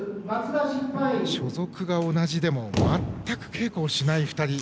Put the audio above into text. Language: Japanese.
所属が同じでも全く稽古をしない２人。